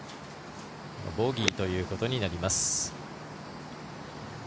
ボギーということになります。